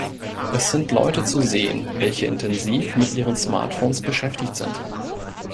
Es sind Leute zu sehen, welche intensiv mit ihren Smartphones beschäftigt sind.